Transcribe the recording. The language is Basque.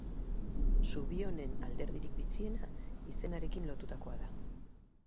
Zubi honen alderdirik bitxiena izenarekin lotutakoa da.